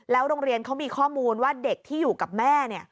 โรงเรียนเขามีข้อมูลว่าเด็กที่อยู่กับแม่